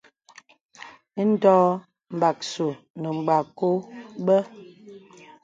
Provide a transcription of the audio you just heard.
Indē ɔ̄ɔ̄. Mgbàsù nə̀ Mgbàkɔ bə.